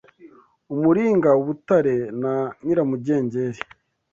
umuringa ubutare na nyiramugengeri